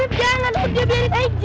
iya kan celuet tuh